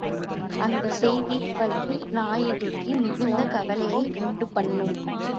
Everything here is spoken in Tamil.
அந்தச் செய்தி வள்ளி நாயகிக்கு மிகுந்த கவலையை உண்டுபண்ணும்.